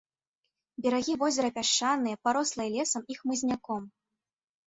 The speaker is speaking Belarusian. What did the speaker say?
Берагі возера пясчаныя, парослыя лесам і хмызняком.